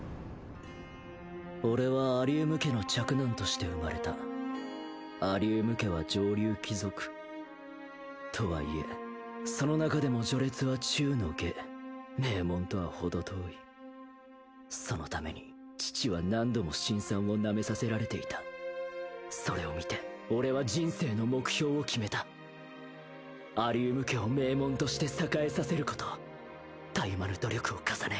俺はアリウム家の嫡男として生まれたアリウム家は上流貴族とはいえその中でも序列は中の下名門とはほど遠いそのために父は何度も辛酸をなめさせられていたそれを見て俺は人生の目標を決めたアリウム家を名門として栄えさせることたゆまぬ努力を重ね